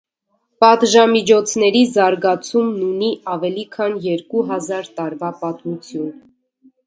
Պատժամիջոցների զարգացմումն ունի ավելի քան երկու հազար տարվա պատմություն։